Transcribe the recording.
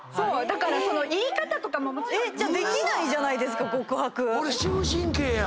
だから言い方とかももちろん。できないじゃないですか告白。